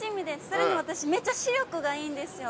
それに私、めっちゃ視力がいいんですよ。